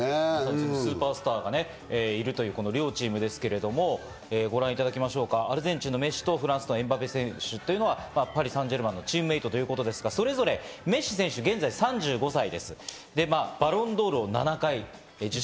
スーパースターがいるという両チームですけれども、ご覧いただきましょうか、アルゼンチンのメッシとフランスのエムバペ選手はパリ・サンジェルマンのチームメイトということですが、メッシ選手は現在３５歳です。